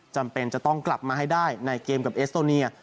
จำเป็นจะต้องกลับมาให้ได้ในเกมกับเอสโตเนีย